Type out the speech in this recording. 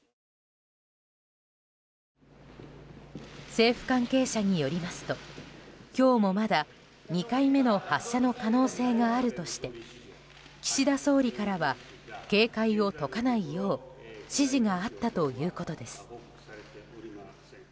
政府関係者によりますと今日もまだ２回目の発射の可能性があるとして岸田総理からは警戒を解かないよう指示があったということです。